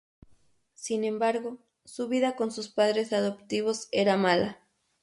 Sin embargo, su vida con sus padres adoptivos era mala.